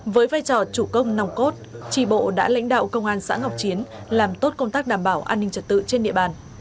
với vai trò chủ công nòng cốt tri bộ đã lãnh đạo công an xã ngọc chiến làm tốt công tác đảm bảo an ninh trật tự trên địa bàn